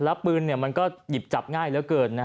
หลับปืนเนี่ยมันก็หยิบจับง่ายแล้วเกินนะฮะ